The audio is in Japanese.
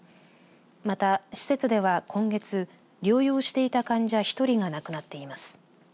また、施設では今月療養していた患者１人が亡くなっています。